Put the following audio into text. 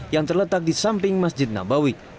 yang terletak di samping masjid nabawi